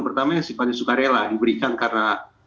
pertamanya sifatnya sukarela diberikan karena penelitian